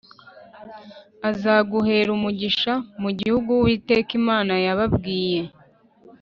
azaguhera umugisha mu gihugu Uwiteka Imana yababwiye